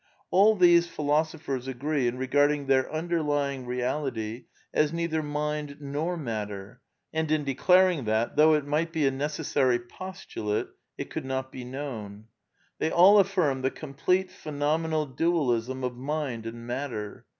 All these philosophers agree in regarding their undei lying Reality as neither mind nor matter, and in declaring that, though it might he a necessary pos tulate, it could not be known. They all affirm the complete phenomenal Dual ism of mind and matter.